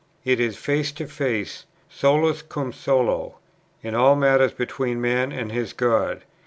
It is face to face, "solus cum solo," in all matters between man and his God.